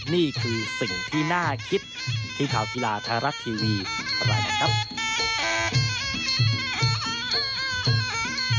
นี่คือสิ่งที่น่าคิดที่ข่าวกีฬาไทยรัฐทีวีรายงานครับ